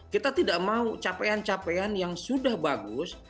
kita tidak mau capaian capaian yang sudah bagus